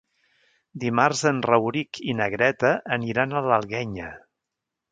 Dimarts en Rauric i na Greta aniran a l'Alguenya.